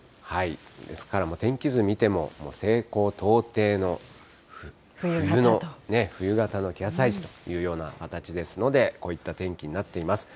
ですからもう、天気図見ても、西高東低の冬の、冬型の気圧配置という形ですので、こういった天気になっています。